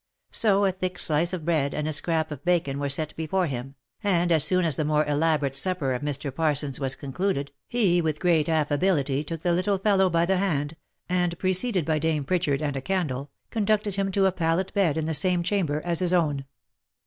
So a thick slice of bread, and a scrap of bacon were set before him, and as soon as the more elaborate supper of Mr. Parsons was concluded, he with great affability took the little fellow by the hand, and preceded by Dame Pritchard and a candle, con ducted him to a pallet bed in the same chamber as his own.